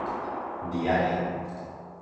Diaria.